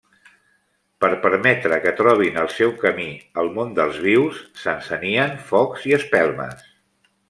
Per permetre que trobin el seu camí al món dels vius, s'encenien focs i espelmes.